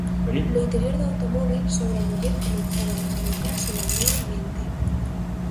No interior do automóbil, sogra e muller, comezaban a saloucar silandeiramente.